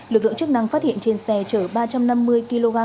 lực lượng chức năng phát hiện trên xe chở ba trăm năm mươi kg nội tạng